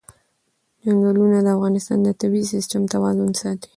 چنګلونه د افغانستان د طبعي سیسټم توازن ساتي.